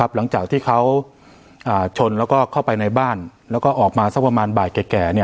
หลังจากที่เขาชนแล้วก็เข้าไปในบ้านแล้วก็ออกมาสักประมาณบ่ายแก่